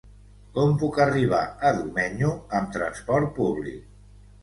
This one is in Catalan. Com puc arribar a Domenyo amb transport públic?